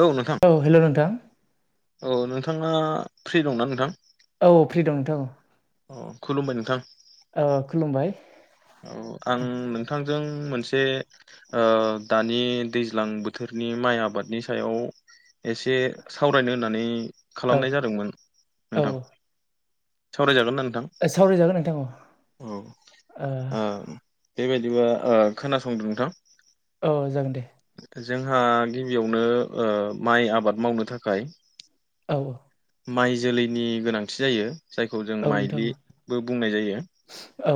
औ नोंथां औ हेल' नोंथां। औ नोंथाङा फ्रि दंना नोंथां? औ फ्रि दं नोंथां औ। औ खुलुमबाय नोंथां ओ खुलुमबाय औ आं नोंथांजों मोनसे ओ दानि दैज्लां बोथोरनि माइ आबादनि सायाव एसे सावरायनो होननानै औ खालामनाय जादोंमोन औ नोंथां। सावरायजागोन ना नोंथां? सावरायजागोन नोंथां औ औ। ओ बे बायदिबा ओ खोनासंदों नोंथां। औ जागोन दे। जोंहा गिबियावनो ओ माइ आबाद मावनो थाखाय औ माइ जोलैनि गोनांथि जायो जायखौ जों औ नोंथां माइलिबो बुंनाय जायो। औ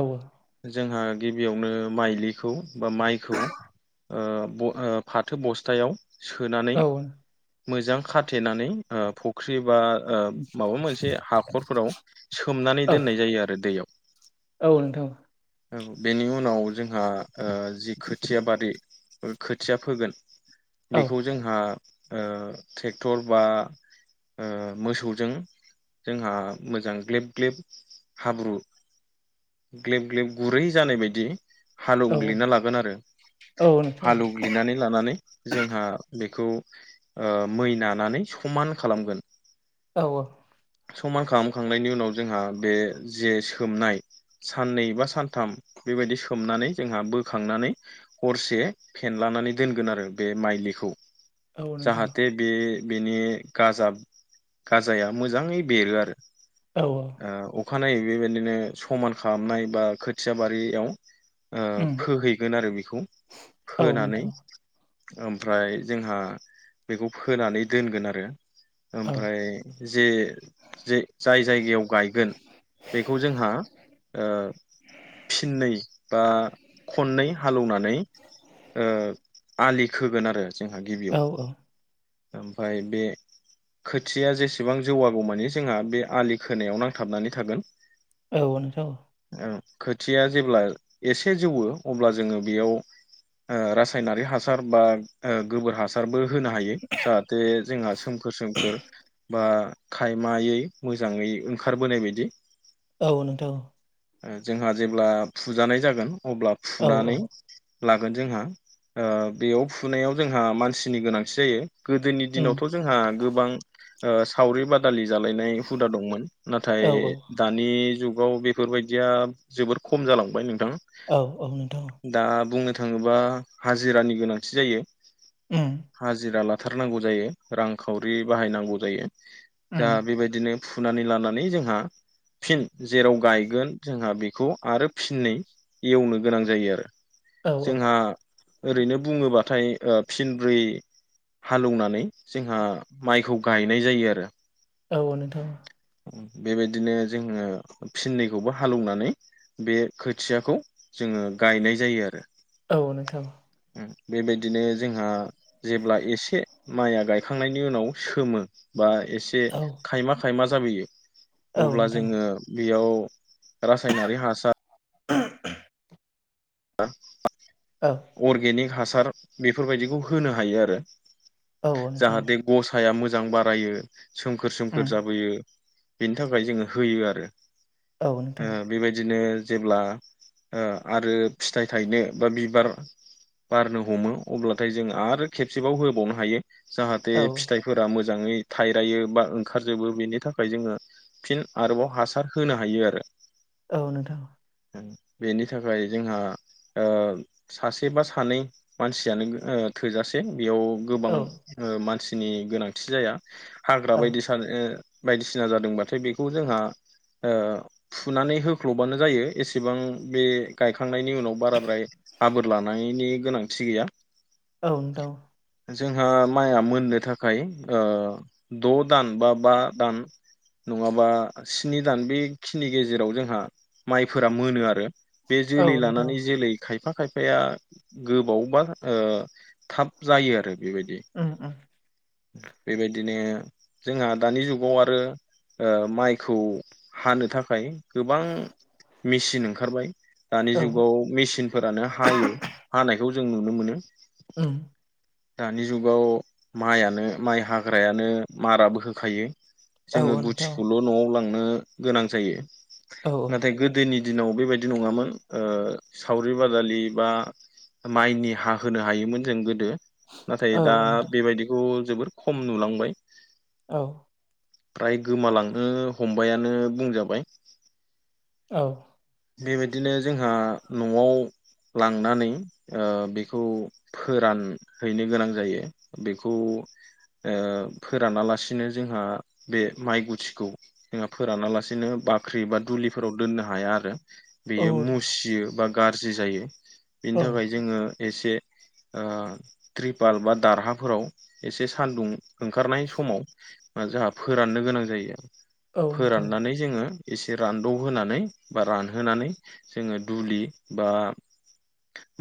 जोंहा गिबियावनो माइलिखौ बा माइखौ ओ ब‌ फाथो बस्तायाव सोनानै औ मोजां खाथेनानै फुख्रि फुख्रि बा माबा मोनसे हाखरफोराव सोमनानै दोननाय जायो आरो दैयाव [inaudible] औ नोंथां औ बेनि उनाव जोंहा जि खोथिया बारि खोथिया फोगोन औ बेखौ जोंहा ट्रेक्टर बा मोसौजों जोंहा मोजां ग्लेब ग्लेब हाब्रु ग्लेब ग्लेब गुरै जानाय बायदि औ हालेवग्लिना लागोन आरो औ नोंथां हालेवग्लिनानै लानानै जोंहा बेखौ मै नानानै समान खालामगोन औ समान खालामखांनायनि उनाव जोंहा बे जे सोमनाय साननै बा सानथाम बेबायदि सोमनानै जोंहा बोखांनानै हरसे फेनलानानै दोनगोन आरो बे माइलिखौ औ नोंथां जाहाथे बे बेनि गाजाया मोजाङै बेरो आरो औ औ ओ अखानायै बेबायदिनो समान खालामनाय बा खोथिया बारियाव उम फोहैगोन आरो बेखौ औ फोनानै नोंथां ओमफ्राय जोंहा बेखौ फोनानै दोनगोन आरो औ ओमफ्राय जे जे जाय जायगायाव गायगोन बेखौ जोंहा फिननै बा खननै हालेवनानै आलि खोगोन आरो जोंहा औ गिबियाव ओमफ्राय बे खोथिया जेसेबां जौवागौमानिे जोंहा बे आलि खोनायाव नांथाबनानै थागोन। औ खोथिया जेब्ला एसे जौवो अब्ला जोङो बेयाव रासायनारि हासार बा गोबोर हासारबो होनो हायो। जाहाथे जोंहा सोमखोर सोमखोर बा खायमायै मोजाङै ओंखारबोनाय बायदि औ नोथ जोंहा जेब्ला फुजानाय जागोन अब्ला औ फुनानै लागोन जोंहा ओ बेयाव फुनायाव जोंहा मानसिनि गोनांथि जायो। गोदोनि उम दिनावथ' जोंहा गोबां सावरि बादालि जालानाय हुदा दंमोन नाथाय औ दानि जुगाव बेफोरबायदिया जोबोद खम जालांबाय नों औ औ नोंथां बुंनो थाङोबा हाजिरानि गोनांथि जायो उम हाजिरा बुथारनांगौ जायो रांखावरि बाहायनांगौ जायो दा उम बेबायदिनो फुनानै लानानै जोंहा फिन जेराव गायगोन जोंहा बेखौ आरो फिननै एवनो गोनां जायो आरो औ जोंहा ओरैनो बुङोबाथाय फिनब्रै हालेवनानै जोंहा माइखौ गायनाय जायो आरो औ नोंथां बेबायदिनो जोङो फिननैखौबो हालौवनानै बे खोथियाखौ जों जोङो गायनाय जायो आरो औ नोंथां बेबायदिनो जोंहा जेब्ला एसे माइया गायखांनायनि उनाव सोमो बा एसे औ खायमा खायमा जाबोयो औ अब्ला जोङो नोंथां बेयाव रासायनारि हासार [inaudible] औ अर्गेनिक हासार बेफोरबायदिखौ होनो हायो आरो। औ नोंथां जाहाथे गसाया मोजां बारायो सोमखोर सोमखोर उम जाबोयो। बेनि थाखाय जोङो होयो आरो औ नोंथां ओ बेबायदिनो जेब्ला ओ आरो फिथाइ थायनो बा बिबार बारनो हमो अब्लाथाय जों आरो खेबसेबाव होबावनो हायो जाहाथे औ फिथाइफोरा मोजां मोजाङै थाइरायो बा ओंखारजोबो बेनि थाखाय जोङो फिन आरोबाव हासार होनो हायो आरो। औ नोंथां। बेनि थाखाय जोंहा ओ सासे बा सानै मानसियानो थोजासे। बेयाव गोबां औ ओ मानसिनि गोनांथि जाया हाग्रा औ बायदि सानो बायदिसिना जादोंबाथाय बेखौ जोंहा ओ फुनानै होख्ल'बानो जायो एसेबां बे गायखांनायनि उनाव बाराद्राय आबोर लानायनि गोनांथि गैया। औ नोंथां। जोंहा माइआ मोननो थाखाय ओ द' दान बा बा दान नङाबा स्नि दान बेखिनि गेजेराव जोंहा माइफोरा मोनो आरो। बे औ जोलै नोंथां लानानै जोलै खायफा खायफाया गोबावबा ओ थाब जायो आरो। बेबायदि उम उम बेबायदिनो जोंहा दानि जुगाव आरो ओ माइखौ हानो थाखाय गोबां मेचिन ओंखारबाय। दानि औ जुगाव मेसिनफोरानो हायो हानायखौ जों नुनो मोनो। उ। दानि जुगाव माइआनो माइ हाग्रायानो माराबो होखायो। औ जोङो नोंथां गुथिखौल' न'आव लांनो गोनां जायो औ नाथाय गोदोनि दिनाव बेबायदि नङामोन ओ सावरि बादालि बा माइनि हा होनो हायोमोन जों गोदो। नाथाय औ दा नोंथां बेबायदिखौ जोबोर खम नुलांबाय। औ फ्राय गोमालांनो हमबायानो बुंजाबाय। औ। बेबायदिनो जोंहा न'आव लांनानै ओ बेखौ फोरान हैनो गोनां जायो बेखौ ओ फोरानालासिनो जोंहा बे माइ गुथिखौ जोंहा फोरानालासिनो बाख्रि बा दुलिफोराव दोननो हाया आरो। औ बेयो मुसियो बा गाज्रि जायो बिनि औ थाखाय जोङो एसे ओ त्रिपाल बा दारहाफोराव एसे सान्दुं ओंखारनाय समाव जोंहा फोराननो गोनां जायो औ नोंथां फोराननानै जोङो एसे रानदौ होनानै बा रानहोनानै जोङो दुलि बा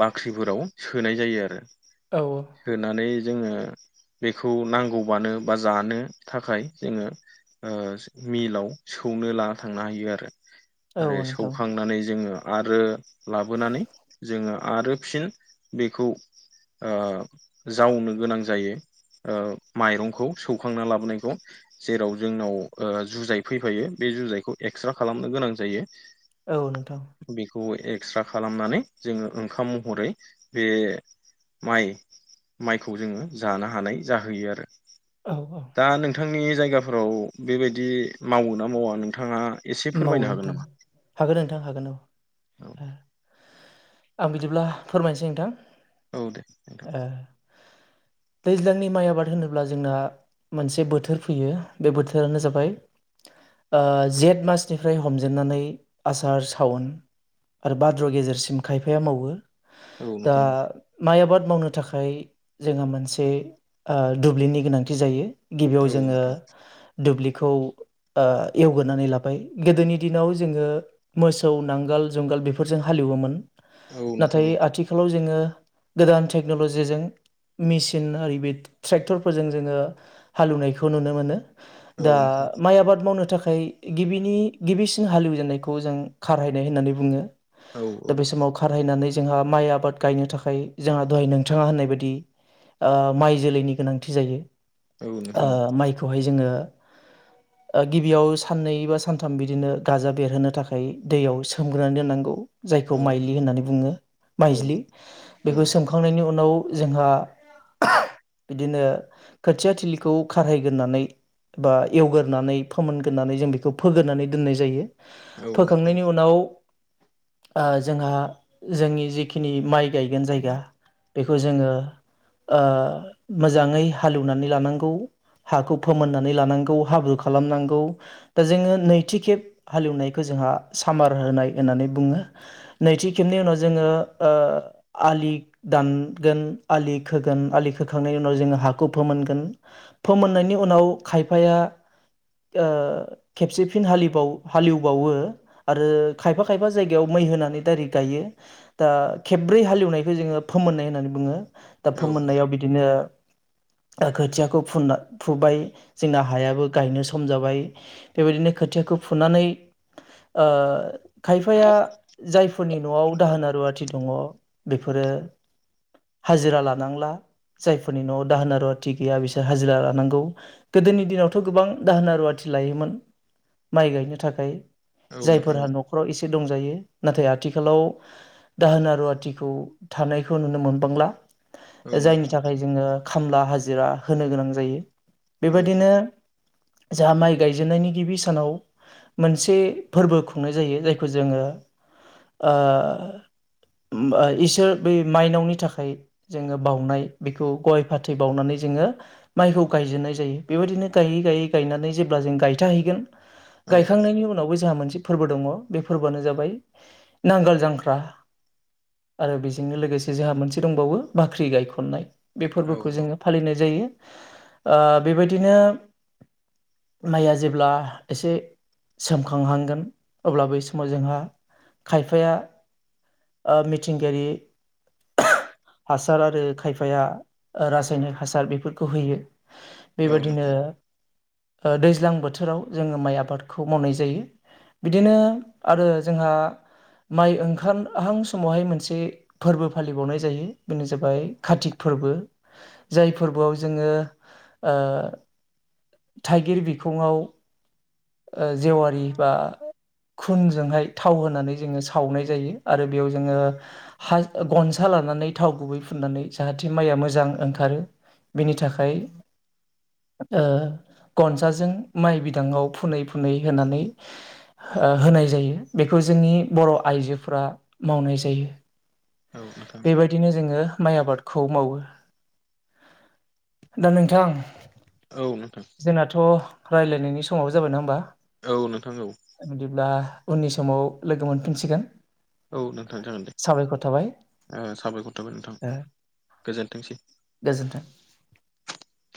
बाख्रिफोराव सोनाय जायो आरो। औ सोनानै जोङो बेखौ नांगौबानो बा जानो थाखाय जोङो ओ मिलाव सौनो लाना थांनो हायो आरो औ आरो नोंथां सौखांनानै जोङो आरो लाबोनानै जोङो आरो फिन बेखौ ओ जावनो गोनां जायो। ओ माइरंखौ सौखांना लाबोनायखौ जेराव जोंनाव ओ जुजाय फैफायो बे जुजायखौ एक्स्रा खालामनो गोनां जायो। औ नोंथां। एक्स्रा खालामनानै जोङो ओंखाम महरै बे माइ माइखौ जोङो जाना हानाय जाहोयो आरो। औ औ। दा नोंथांनि जायगाफोराव बेबायदि मावो ना मावा नोंथाङा एसे मावो फोरमायनो हागोन नोंथां नामा हागोन नोंथां हागोन औ औ आ। आं बिदिब्ला फोरमायनोसै नोंथां। औ दे नोंथां। ओ दैज्लांनि माइ आबाद होनोब्ला जोंना मोनसे बोथोर फैयो बे बोथोरानो जाबाय आ जेठ मास सनिफ्राय हमजेनन्नानै आसार सावन आरो बाद्र' गेजेरसिम खायफाया मावो। दा नोंथां माइ आबाद मावनो थाखाय जोंहा मोनसे आ दुब्लिनि गोनांथि जायो। गिबियाव औ जोङो नोंथां दुब्लिखौ आ एवग्रोनानै लाबाय गोदोनि दिनाव जोङो मोसौ नांगाल जुंगाल बेफोरजों हालेवोमोन। औ नोंथां नाथाय आथिखालाव जोङो गोदान टेक्न'लजिजों मेसिन आरि बे ट्रेक्टरफोरजों जोङो हालौवनायखौ नुनो मोनो। औ दा नोंथां माइ आबाद मावनो थाखाय गिबिनि गिबिसिन हालेवजेननायखौ जों खारहायनाय होननानै बुङो औ दा बे समाव खारहायनानै जोंहा माइ आबाद गायनो थाखाय जाहा दहाय नोंथाङा होननाय बायदि आ माइ जोलैनि गोनांथि जायो। औ आ नोंथां माइखौहाय जोङो आ गिबियाव साननै बा सा सानथाम बिदिनो गाजा बेरहोनो थाखाय दैयाव सोमग्रोनानै दोननांगौ। जायखौ औ नोंथां औ माइलि होननानै बुङो माइज्लि औ बेखौ सोमखांनायनि उनाव जोंहा बिदिनो खोथिया थिलिखौ खारहायग्रोनानै बा एवगोरनानै फोमोनगोरनानै जों बेखौ फोग्रोनानै दोननाय जायो। औ नोंथां फोखांनायनि उनाव आ जोंहा जोंनि जिखिनि माइ गायगोन जायगा बेखौ जोङो आ मोजाङै हालेवनानै लानांगौ। हाखौ फोमोननानै लानांगौ हाब्रु खालामनांगौ। दा जोङो नैथि खेब हालेवनायखौ जोंहा सामार होनाय होननानै बुङो। नैथि खेबनि उनाव जोङो ओ आलि दानगोन आलि खोगोन आलि खोखांनायनि उनाव जोङो हाखौ फोमोनगोन। फोमोननायनि उनाव खायफाया ओ। खेबसे फिन हालिबावो हालेवबावो आरो खायफा खायफा जायगायाव मै होनानै दाइरेक्ट गायो। दा खेब्रै हालेवनायखो जोङो फोमोननाय होननानै बुङो। दा औ फोमोननायाव बिदिनो ओ खोथियाखौ फुनना फुबाय जोंना हायाबो गायनो सम जाबाय। बेबायदिनो खोथियाखौ फुनानै आ खायफाया जायफोरनि न'आव दाहोना रुवाथि दङ। बेफोरो हाजिरा लानांला जायफोरनि न'आव दाहोना रुवाथि गैया बिसोर हाजिरा लानांगौ। गोदोनि दिनावथ' गोबां दाहोना रुवाथि लायोमोन माइ गायनो थाखाय। औ नोंथां जायफोरहा औ न'खाव इसे से दंजायो नाथाय आथिखालाव दाहोन रुवाथिखौ थानायखौ नुनो मोनबांला औ जायनि नोंथां थाखाय जोङो खामला हाजिरा होनो गोनां जायो। औ बेबादिनो जा माइ गायजेननायनि गिबि सानाव मोनसे फोरबो खुंनाय जायो जायखौ जोङो आ। उम आ इसोर बै माइनावनि थाखाय जोङो बावउनाय बेखौ गय फाथै बावनानै जोंङो माइखौ गायजेननाय जायो। बेबायदिनो गायै गायै गायनानै जेब्ला जों गाय था हैगोन औ गायखांनायनि उनावबो जाहा मोनस से फोर्बो दङ। बे फोर्बोयानो जाबाय नांगोल जांख्रा। आरो बेजोंनो लोगोसे जाहा मोनसे दंबावो बाख्रि गायखननाय। बे औ फोरबोखौ जोङो फालिनाय जायो। ओ बेबायदिनो माइया जे अब्ला एसे सोमखांहांगोन अब्ला बै समाव जोंहा खायफाया ओ मिथिंगायारि हासार आरो खायफाया रासायनिक हासार बेफोरखौ होयो। औ बेबायदिनो नोंथां ओ दैज्लां बोथो राव जोङो माइ आबादखौ मावनाय जायो बिदिनो आरो जोंहा माइ ओंखारहां समावहाय मोनसे फोरबो फालिबावनाय जायो बेनो जाबाय कातिकफोर फोरबो जाय फोरबोआव जोङो ओ थाइगिर बिखङाव ओ जेवारि बा खुनजोंहाय थाव होनानै जोङो सावनाय जायो आरो बेयाव जोङो हाय गनसा लानानै थाव गुबै फुननानै जाहाथे माइआ मोजां ओंखारो बिनि थाखाय ओ गनसाजों माइ बिदाङाव फुनै फुनै होनानै होनाय जायो बेखौ जोंनि बर' आइजोफोरा मावनाय जायो। औ नोंथां बेबायदिनो जोङो माइ आबादखौ मावो दा नोंथां औ नोंथां। रायज्लायनायनि समाव जाबाय ना होमबा औ नोंथां औ बिदिब्ला उननि समाव लोगो मोनफिनसिगोन। औ नोंथां जागोन दे। साबायखर थाबाय साबायखर थाबाय नोंथां ओ गोजोनथोंसै। गोजोन्थों। [inaudible]